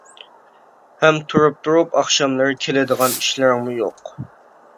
ھەم تۇرۇپ-تۇرۇپ ئاخشاملىرى كېلىدىغان ئىشلىرىڭمۇ يوق.